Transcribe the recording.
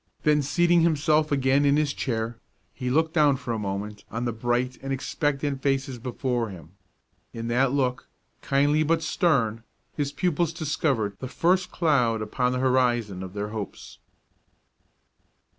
Then, seating himself again in his chair, he looked down for a moment on the bright and expectant faces before him. In that look, kindly but stern, his pupils discovered the first cloud upon the horizon of their hopes.